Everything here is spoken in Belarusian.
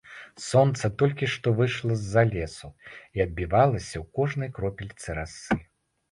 Сонца толькі што выйшла з-за лесу і адбівалася ў кожнай кропельцы расы.